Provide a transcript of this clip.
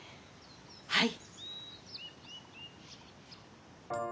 はい。